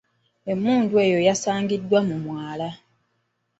Emmundu eyo yasangiddwa mu mwala.